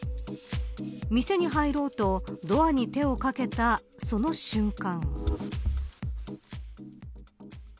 店に入ろうとドアに手をかけたその瞬間。